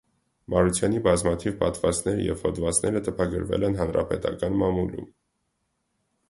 Մարությանի բազմաթիվ պատմվածքները և հոդվածները տպագրվել են հանրապետական մամուլում։